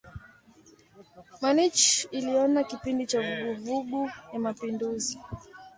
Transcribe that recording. Munich iliona kipindi cha vuguvugu ya mapinduzi.